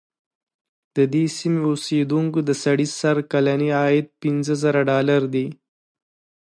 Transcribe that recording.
د دې سیمې د اوسېدونکو د سړي سر کلنی عاید پنځه زره ډالره دی.